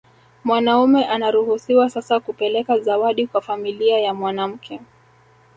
Mwanaume anaruhusiwa sasa kupeleka zawadi kwa familia ya mwanamke